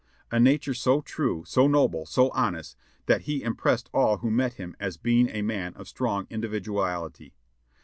A nature so true, so noble, so honest that he impressed all who met him as being a man of strong individuality.